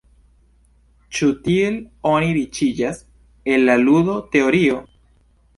Ĉu tiel oni riĉiĝas el la ludo-teorio?